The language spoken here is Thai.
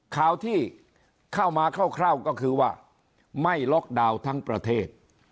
ข่าวที่เข้ามาคร่าวก็คือว่าไม่ล็อกดาวน์ทั้งประเทศ